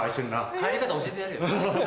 帰り方教えてやるよ。